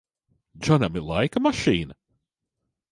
Džonam ir laika mašīna?